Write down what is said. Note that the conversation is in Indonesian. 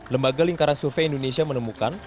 lembaga lingkaran survei indonesia menemukan